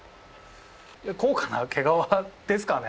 高価な毛皮ですかね？